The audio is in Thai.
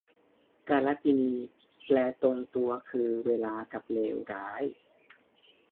กาลกิณี แปลตรงตัวคือ เวลา กับ เลวร้าย